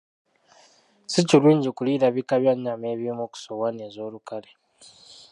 Si kirungi kuliira bika bya nnyama ebimu ku ssowaani ez'olukale.